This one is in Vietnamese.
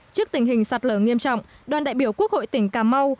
trước tình hình sạt lở nghiêm trọng đoàn đại biểu quốc hội tỉnh cà mau